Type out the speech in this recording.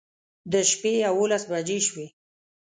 د شپې يوولس بجې شوې